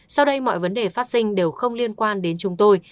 sau đây mọi vấn đề phát sinh đều không liên quan đến chúng tôi